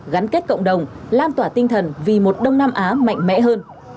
gắn kết cộng đồng lan tỏa tinh thần vì một đông nam á mạnh mẽ hơn